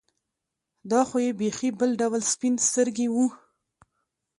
دا خو یې بېخي بل ډول سپین سترګي وه.